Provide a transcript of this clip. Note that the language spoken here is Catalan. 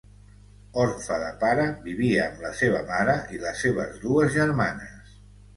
Orfe de pare, vivia amb la seva mare i les seves dues germanes.